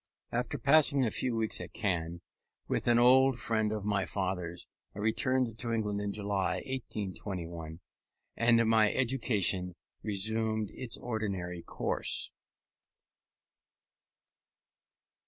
After passing a few weeks at Caen with an old friend of my father's, I returned to England in July, 1821 and my education resumed its ordinary course.